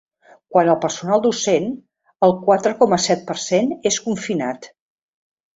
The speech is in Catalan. Quant al personal docent, el quatre coma set per cent és confinat.